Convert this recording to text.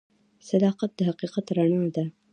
صداقت د حقیقت رڼا ده.